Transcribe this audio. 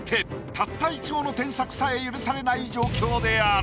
たった一語の添削さえ許されない状況である。